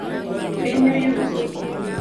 Piny oyuso.